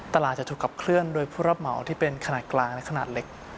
ตลาดจะถูกขับเคลื่อนโดยผู้รับเหมาที่เป็นขนาดกลางและขนาดเล็ก